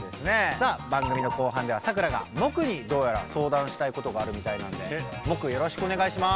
さあ番組の後半ではサクラがモクにどうやら相談したいことがあるみたいなんでモクよろしくおねがいします。